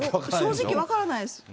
正直分からない